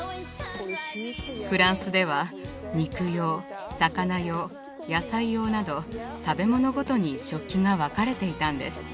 フランスでは肉用魚用野菜用など食べ物ごとに食器が分かれていたんです。